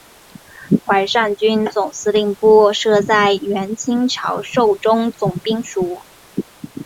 淮上军总司令部设在原清朝寿州总兵署。